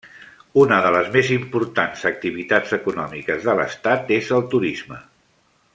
Una de les més importants activitats econòmiques de l'estat és el turisme.